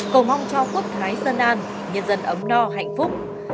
cầu mong cho quốc thái dân an nhân dân ấm no hạnh phúc